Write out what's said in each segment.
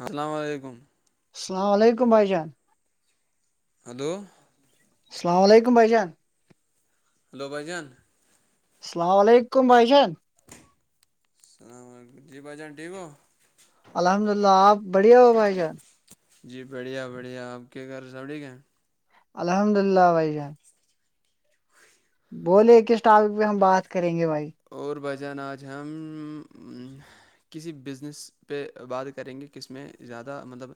السلام علیکم السلام علیکم بھائی جان ہلو السلام علیکم بھائی جان ہلو بھجان السلام علیکم بھائی جان السلام علیکم جی بھائی جان ٹھیک ہو الحمد للہ آپ بڑھیا ہو بھائی جان جی بڑھیا بڑھیا آپ کے گھر سبڑیک ہیں الحمد للہ بھائی جان ہاں بولے کسٹافک پہ ہم بات کریں گے بھائی اور بجن آج ہم کسی بزنس پہ بات کریں گے کس میں زیادہ مطلب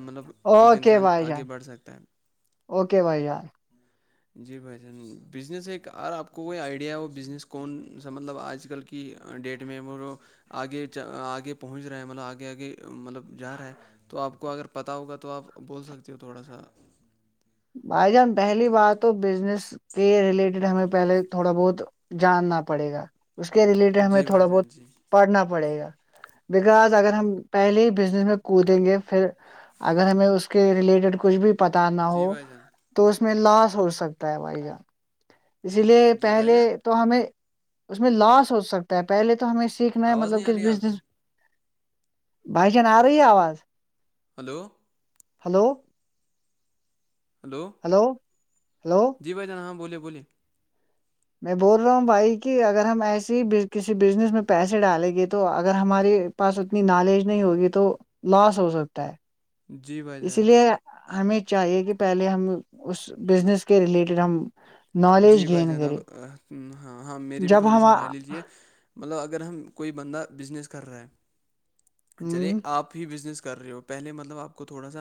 مطلب ایک اوکے انسان بھائی آگے جان بڑھ سکتا ہے اوکے بھائی یار جی بھائی جان بزنس ایک اور آپ کو کوئی آئیڈیا وہ بزنس کون سا مطلب آج کل کہ ڈیٹ میںیمو آگے آگے پہنچ رہا ہے مطلب آگے آگے مطلب جا رہا ہے تو آپ کو اگر پتا ہوگا تو آپ بول سکتے ہو تھوڑا سا بھائی جان پہلی بات تو بزنس کے ریلیٹڈ ہمیں پہلے تھوڑا بہت جاننا پڑے گا اس کے ریلیٹڈ ہمیں جی بھائی تھوڑا بہت جان جی پڑھنا پڑے گا بکاز اگر ہم پہلے ہی بزنس میں کودیں گے پھر اگر ہمیں اس کے ریلیٹڈ کچھ بھی پتہ نہ جی ہو بھائی جان تو اس میں لاس ہو سکتا ہے بھائی جان اسی لیے جی بھائی پہلے جان تو ہمیں اس میں لاس ہو سکتا ہے پہلے تو ہمیں سیکھنا ہے آواز مطلب نہیں کہ آ رہی ہے آپ کی بزنس بھائیجان آ رہ آواز hello hello hello hello hello جی بائیان ہاں بولیے بلیے میں بول رہا ہوں بھائی کہ اگر ہم ایسی ہی کسی بزنس میں پیسے ڈالیں گے تو اگر ہماری پاس اتنی نالج نہیں ہوگی تو لاس ہو سکتا ہے جی بھائی اسی جان لیے ہمیں چاہیے کہ پہلے ہم اس بزنس کے ریلیٹڈ ہم جی نالج بھائی گین جناب کرے ہاں ہاں میری بھی جب تھوڑی ہم سی رائے لیجیے مطلب اگر ہم کوئی بندہ بزنس کر رہا ہے چلے آپ بزنس کر رہے ہو پہلے مطلب آپ کو تھوڑا سا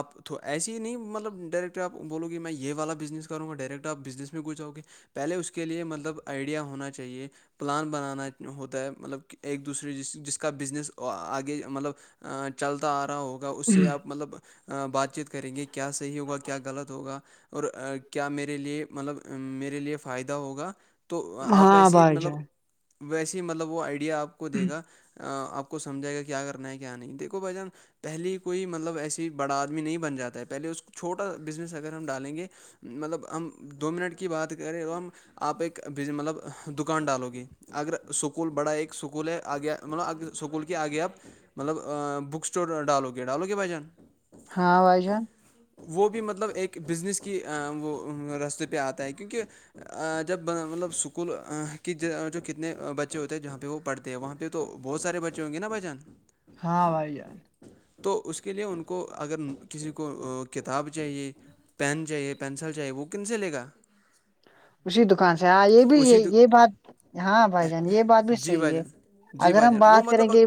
آپ تو ایسی ہی نہیں مطلب ڈائریکٹ آپ بولو گے میں یہ والا بزنس کروں گا ڈائریکٹ آپ بزنس میں کچھاؤ کہ پہلے اس کے لیے مطلب آئیڈیا ہونا چاہیے پلان بنانا ہوتا ہے مطلب کہ ایک دوسرے جس جس کا بزنس آگے مطلب چلتا آ رہا ہوگا اس سے آپ مطلب بات چیت کریں گے کیا صحیح ہوگا کیا غلط ہوگا اور کیا میرے لیے مطلب میرے لیے فائدہ ہوگا تو آپ ہاں اییسی بھائی مطلب جان ویسے ہی مطلب وہ آئیڈیا آپ کو دے گا آپ کو سمجھائے گا کیا کرنا ہے کیا نہیں دیکھو بھائی جان پہلے کوئی مطلب ایسی بڑا آدمی نہیں بن جاتا ہے پہلے اس چھوٹا بزنس اگر ہم ڈالیں گے مطلب ہم دو منٹ کی بات کریں تو ہم آپ ایک مطلب دکان ڈالو گے اگر سکول بڑا ایک سکول ہے آگے مطلب سکول کے آگے آپ مطلب بک اسٹور ڈالو کے ڈالو کے بھ جان ہاں وائی جان وہ بھی مطلب ایک بزنس کی وہ رستے پہ آتا ہے کیونکہ جب مطلب اسکول کی جو کتنے بچے ہوتے ہیں جہاں پہ وہ پڑھتے وہاں پہ تو بہت سارے بچے ہوں گے نا بچن ہاں بھائی جان تو اس کے لیے ان کو اگر کسی کو کتاب چاہیے پین چاہیے پینسل چاہیے وہ کن سے لے گا اسی دکان سے ہاں یہ بھی یہ اسی دو- یہ بات ہاں بھائی جان یہ بات بھی جی صحیح بھائی ہے جان جی اگر بھائی ہم جان وہ بات کریں مطلب گے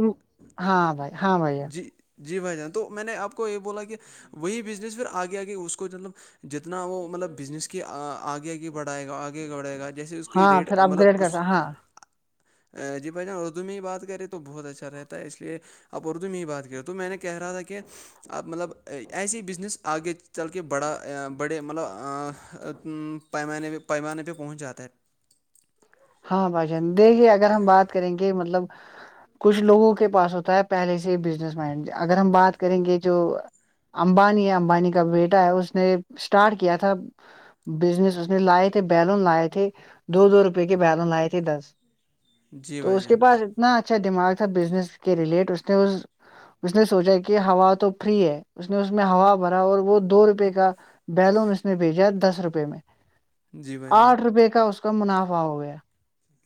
ہاں بھائی ہاں بھیا جی جی بھائی جان تو میں نے آپ کو یہ بولا کہ وہی بزنس پھر آگے آگے اس کو مطلب جتنا وہ مطلب بزنس کی آگے آگے بڑھائے گا آگے بڑھے گا جیسے اس کی ہاں پھر ریٹ اپ مطلب گریڈ اس کرتا ہاں جی بھائی جان اردو میں ہی بات کریں تو بہت اچھا رہتا ہے اس لیے اب اردو میں ہی بات کریں تو میں نے کہہ رہا تھا کہ آپ مطلب ایسے ہی بزنس آگے چل کے بڑا بڑے مطلب پیمانے پیمانے پہ پہنچ جاتا ہے ہاں بھائیشان دیکھیے اگر ہم بات کریں گے مطلب کچھ لوگوں کے پاس ہوتا ہے پہلے سے بزنس مائنڈ اگر ہم بات کریں گے جو امبانی ہے امبانی کا بیٹا ہے اس نے اسٹارٹ کیا تھا بزنس اس نے لائے تھے بیلون لائے تھے دو دو روپ کے بیلن لائے تھے دس جی تو بھائی اس کے جان پاس نہ اچھا دماغ تھا بزنس کے ریلیٹ اس نے اس اس نے سوچا کہ ہوا تو فری ہے اس نے اس میں ہوا بھرا اور وہ دو روپے کا بیلون اس نے بھیجا دس روپے میں جی بھائی جان آٹھ روپئے کا اس کا منافع ہو گیا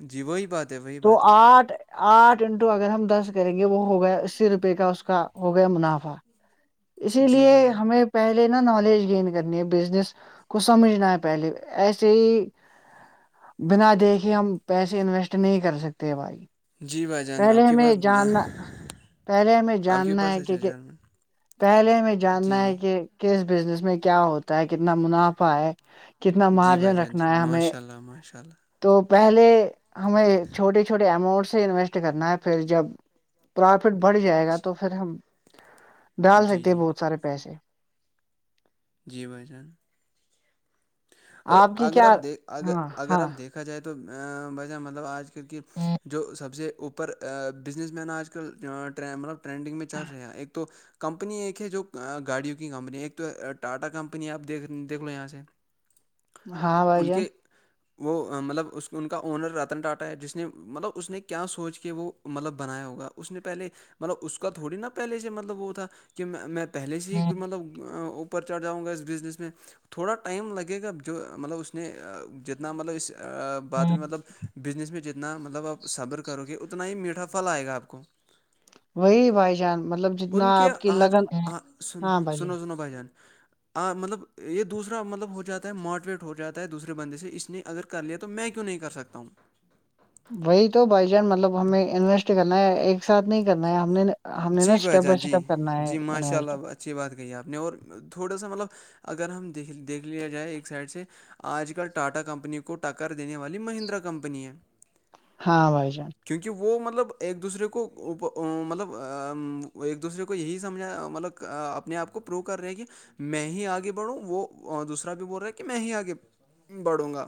جی وہی بات ہے وہی تو بات ہے آٹھ آٹھ انٹو اگر ہم دس کریں گے وہ ہو گیا اسی روپئے کا اس کا ہو گیا منافع اسی جی لیے بھائی جان ہمیں پہلے نا نالج گینین کرنی ہے بزنس کو سمجھنا ہے پہلے ایسے ہی بنا دیکھے ہم پیسے انویسٹ نہیں کر سکتے بھائی جی بھائی جان پہلے آپ کی ہمیں بات جاننا پہلے ہمیں آپ کے جاننا پاس ہے اچھا کیونک جرمن پہلے ہمیں جی جاننا جی ہے کہ کہس بزنس میں کیا ہوتا ہے کتنا منافع ہے کتنا جی بھائی مارجن جان رکھنا جی ہے ہمیں ماشاء اللہ ماشاء اللہ تو پہلے ہمیں چھوٹے چھوٹے اماؤنٹ سے انویسٹ کرنا ہے پھر جب پرافٹ بڑھ جائے گا تو پھر ہم ڈال جی سکتے ہیں جی بہت سارے پیسے جی بھائی جان اور کی اگر کیا آپ دیک ا ہاں اگر ہاں آپ دیکھا جائے تو ویسا مطلب آج کل کی جو سب سے اوپر بزنس مین آج کلٹ مطلب ٹرینڈنگ میں چل رہے ہیں ایک تو کمپنی ایک ہے جو گاڑیوں کی کمپنی ہے ایک تو ٹاٹا کمپنی آپ دیکھ دیکھ لو یہاں سے ہاں بھائی ان جان کے وہ مطلب اس ان کا اونر رتن ٹاٹا ہے جس نے مطلب اس نے کیا سوچ کے وہ مطلب بنایا ہوگا اس نے پہلے مطلب اس کا تھوڑی نا پہلے سے مطلب وہ تھا کہ میں پہلے سے ہی مطلب اوپر چڑھ جاؤں گا اس بزنس میں تھوڑا ٹائم لگ گا جو مطلب اس نے جتنا مطلب اس بعد میں مطلب بزنس میں جتنا مطلب آب صبر کرو گے اتنا ہی میٹھا فل آئے گاپ کو وہی بھائی جان مطلب ان جتنا کے آپ کی آج لگن سن ہاں بھائی جان، سنو سنو بجن آ مطلب یہ دوسرا مطلب ہو جاتا ہے موٹیویٹ ہو جاتا ہے دوسرے بندے سے اس نے اگر کر لیا تو میں کیوں نہیں کر سکتا ہوں وہی تو بائی چان مطلب ہمیں انویسٹ کرنا ہے ایک ساتھ نہیں کرنا ہے ہم نے ہم نے نا جی بھائی اسٹیپ بائی جان جی اسٹیپ کرنا ہے جی ماشاء اللہ اچھی بات کہی آپ نے اور تھوڑا سا مطلب اگر ہم د دیکھ لیا جائے ایک سائڈ سے آج کل ٹاٹا کمپنی کو ٹکر دینے والی مہندرا کمپنی ہے ہاں بھائی جان کیونکہ وہ مطلب ایک دوسرے کو مطلب ایک دوسرے کو یہی سمجھا مطلب اپنے آپ کو پرو کر رہے ہیں کہ میں ہی آگے بڑھوں وہ دوسرا بھی بول رہا ہے کہ میں ہی آگے بڑھوں گا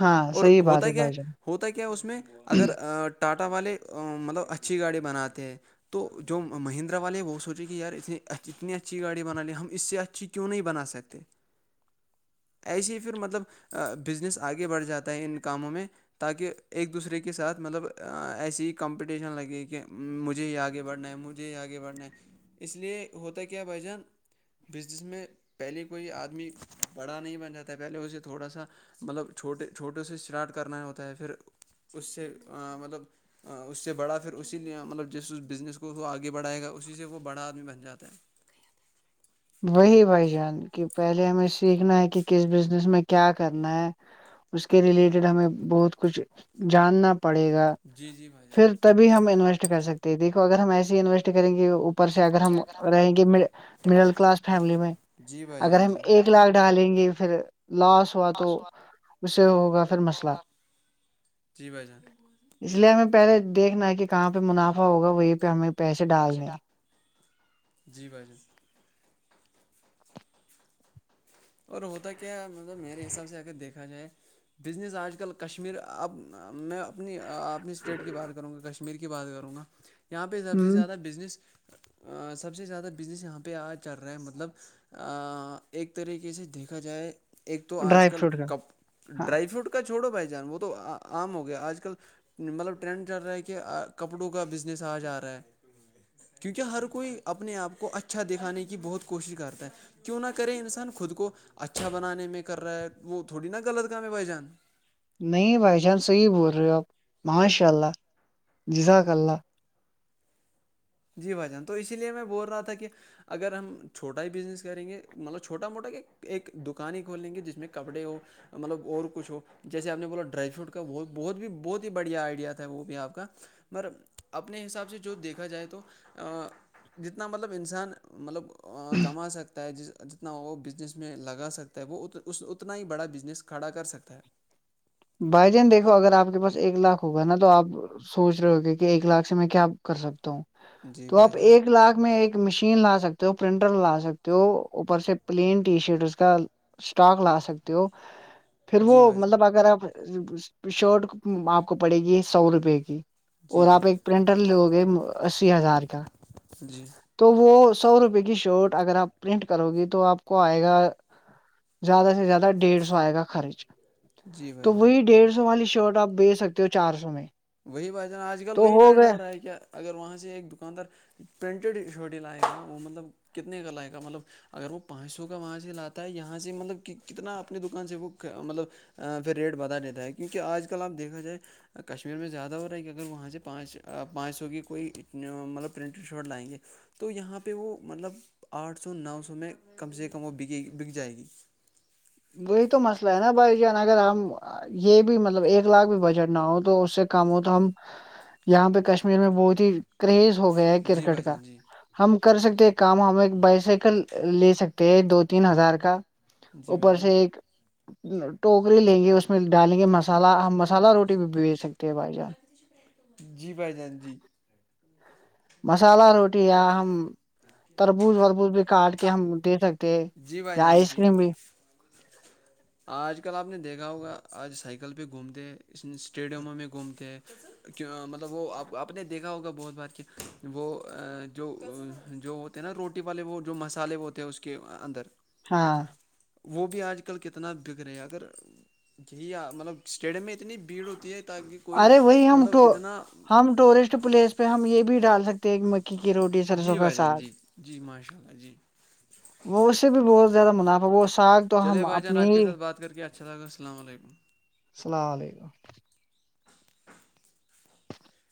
ہاں اور صحیح بات ہوتا ہے کیا بھائی جان ہوتا کیا اس میں اگر ٹاٹا والے مطلب اچھی گاڑی بناتے ہیں تو جو مہندرا والے وہ سوچے کہ یار اتنی اچھی گاڑی بنا لیں ہم اس سے اچھی کیوں نہیں بنا سکتے [inaudible] ایسے ہی پھر مطلب بزنس آگے بڑھ جاتا ہے ان کاموں میں تاکہ ایک دوسرے کے ساتھ مطلب ایسی کمپٹیشن لگے کہ مجھے ہی آگے بڑھنا ہے مج جی آگے بڑھنا ہے اس لیے ہوتا کیا بھ جان بزنس میں پہلے کوئی آدمی بڑا نہیں بن جاتا ہے پہلے اسے تھوڑا سا مطلب چھوٹے چھوٹے سے اسٹارٹ کرنا ہوتا ہے پھر اس سے مطلب اس سے بڑا پھر اسی نے مطلب جس اس بزنس کو وہ آگے بڑھائے گا اسی سے وہ بڑا آدمی بن جاتا ہے وہی بھائی جان کی پہلے ہمیں سیکھنا ہے کہ کس بزنس میں کیا کرنا ہے اس کے ریلیٹڈ ہمیں بہت کچھ جاننا پڑے گا جی جی بھائی جان پھر ہم انویسٹ کر سکتے ہیں دیکو اگر ہم ایسسی انویسٹ کریں گے اپر ر سے اگر ہم رہیں گے مڈل کلاس فیملی میں جی بھائی اگر جان ہم جی ایک لاکھ ڈالیں گے پھر لاس ہوا تو اس سے ہوگا پھر مسئلہ جی بھائی جان اس لیے ہمیں پہلے دیکھنا ہے کہاں پہ منافع ہوگا وہ یہ پہ ہمیں پیسے ڈالنے جی ب ج اور ہوتا کیا مطلب میرے حساب سے اگر دیکھا جائے بزنس آج کل کشمیر اپ میں اپنی اپنی اسٹیٹ کی بات کروں گا کشمیر کی بات کروں گا یہاں پہ سب سے ہ زیادہ بزنس سب سے زیادہ بزنس یہاں پہ آ چل رہا ہے مطلب ایک طریقے سے دیکھا جائے ایک تو آج ڈرائی کل فروٹ کا کپ ہاں ڈرائی فروٹ کا چھوڑو بھائی جان وہ تو عام ہو گیا آج کل مطلب ٹرینڈ چل رہا ہے کہ کپڑوں کا بزنس آ جا رہا ہے کیونکہ ہر کوئی اپنے آپ کو اچھا دکھانے کی بہت کوشش کرتا ہے کیوں نہ کرے انسان خود کو اچھا بنانے میں کر رہا ہے وہ تھوڑی نا غلط کام ہے بھ جان نہیں بائی چانس صحیح بول رہے ہو آپ ماشاء اللہ جزاکاک اللہ جی بھجان تو اسی لیے میں بول رہا تھا کہ اگر ہم چھوٹا ہی بزنس کریں گے مطلب چھوٹا موٹا کہ ایک دکان ہی کھول لیں گے جس میں کپڑے ہو مطلب اور کچھ ہو جیسے آپ نے بولا ڈرائی فروٹ کات بہت بھی بہت ہی بڑیا آئیڈیا تھا وہ بھی آپ کا مگر اپنے حساب سے جو دیکھا جائے تو جتنا مطلب انسان مطلب کما سکتا ہے جس جتنا وہ بزنس میں لگا سکتا ہے وہ ا اتنا ہی بڑا بزنس کھڑا کر سکتا ہے بھائی جان دیکھو اگر آپ کے پاس ایک لاکھ ہوگا نا تو آپ سوچ رہے ہوگے کہ ایک لاکھ سے میں کیا کر سکتا ہوں جی تو بھائی آپ جان ایک لاکھ میں ایک مشین لا سکتے ہو پرنٹر لا سکتے ہو اوپر سے پلین ٹی شرٹ اس کا اسٹاک لا سکتے ہو پھر وہ جی بھائی جان مطلب اگر آپ شرٹ آپ کو پڑے گی سو روپے کی اور جی جی آپ ایک پرنٹر لو گے اسی ہزار کا جی تو وہ سو روپے کی شرٹ اگر آپ پرنٹ کرو گی تو آپ کو آئے گا زیادہ سے زیادہ ڈیڑھ سو آئے گا خرچ جی تو بھائی جان وہی ڈیڑھ سو والی شرٹ آپ بھیج سکتے ہو چار سو میں وہی بجانا آج کل تو وہی ٹرینڈ گئے ہو رہا ہے کیا اگر وہاں سے ایک دکاندار پرنٹیڈ شوٹی لائےقا وہ مطلب کتنے کا لائےقا مطلب اگر وہ پانچ سو کا وہاں سے لاتا ہے یہاں سے مطلب کتنا اپنی دکان سے وہ مطلب پھر ریٹ بدا دیتا ہے کیونکہ آج کل آپ دیکھا جائے کشمیر فر میں زیادہ ہو رہا ہے کہ اگر وہاں سے پانچ پانچ سو کی کوئی مطلب پرنٹیڈ شاٹ لائیں گے تو یہاں پہ وہ مطلب آٹھ سو نو سو میں کم سے کم وہ بکےی بک جائے گی وہی تو مسئلہ ہے نا بھائی جان اگر ہم یہ بھی مطلب ایک لاکھ بھی بجٹ نہ ہو تو اس سے کم ہو تو ہم یہاں پہ کشمیر میں بہت ہی کریز ہو گیا ہے جی بھائی کرکٹ کا جان جی ہم کر سکتے کام ہم ایک بائی سائیکل لے سکتے ہیں دو تین ہزار کا جی بھائی اوپر سے جان ایک ٹوکری لیں گی اس اس میں ڈالیں گے مسالحہ ہم مالہ روٹی بھیچ سکتے ہیں بھائی جان جی بھائی جان جی مسالہ روٹی یا ہم تربوز ربوز بھی کاٹ کے ہم دے سکتے جی بھائی یا جان آئس جی کریم بھی آج کل آپ نے دیکھا ہوگا آج سائیکل پہ گھوم تھے اس اسٹیڈیموں میں گھومتےے مطلب وہ آپ نے دیکھا ہوگا بہت بار کہ وہ جو جو تھے نا روٹی والے وہ جو مسالے وہ تھے اس کے اندر ہاں وہ بھی آج کل کتنا بگ رہے اگر یہی مطلب اسٹیڈیم میں اتنی بھیڑ ہوتی ہے تاکہ کوئی ارے وہی ہم مطلب تو اتنا ہم ٹورسٹ پلیس پہ ہم یہ بھی ڈالے سکتے ایک مکی کی روٹی سرسوں جی کا بھائی جان سگ جی جی ماشاء اللہ جی وہ اس سے بھی بہت زیادہ منافع وہ ساگ تو ہم چلے بھائی جان اپنی آپ کے ہی ساتھ بات کر کے اھااک السلام علیکم السلام علیکم